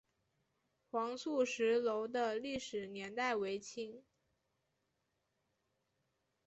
黄素石楼的历史年代为清。